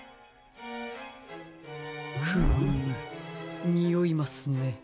フームにおいますね。